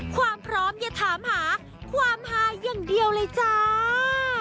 ความพร้อมอย่าถามหาความฮาอย่างเดียวเลยจ้า